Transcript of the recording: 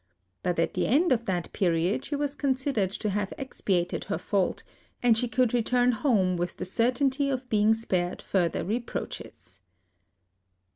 But at the end of that period she was consid ered to have expiated her fault, and she could return home with the certainty of being spared further reproaches.